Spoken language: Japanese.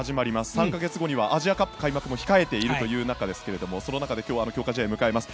３か月後にはアジアカップ開幕を控えているという中でその中で今日は強化試合を迎えます。